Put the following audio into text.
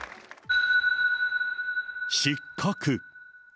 失格。